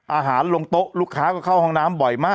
ลงโต๊ะลูกค้าก็เข้าห้องน้ำบ่อยมาก